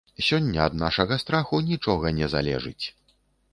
Сёння ад нашага страху нічога не залежыць.